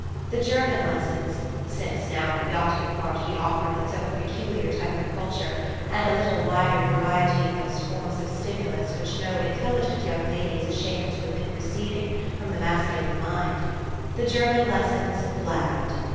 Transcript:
The German lessons since now a yachting party offered its own peculiar type of culture, and a little wider variet}^ in those forms of stimulus which no intelligent young lady is ashamed to admit receiv ing from the masculine mind, the German lessons flagged.